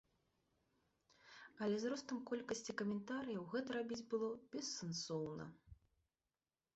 Але з ростам колькасці каментарыяў гэта рабіць было бессэнсоўна.